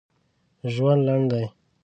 ژوند لنډ دي!